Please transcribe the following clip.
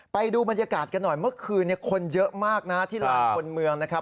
ไปดูบรรยากาศกันหน่อยเมื่อคืนคนเยอะมากนะที่ลานคนเมืองนะครับ